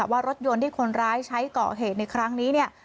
ว่ารถยนต์ที่คนร้ายใช้ก่อเหตุในครั้งนี้เนี่ย